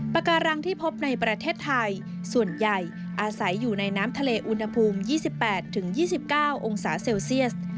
ปากการังที่พบในประเทศไทยส่วนใหญ่อาศัยอยู่ในน้ำทะเลอุณหภูมิ๒๘๒๙องศาเซลเซียส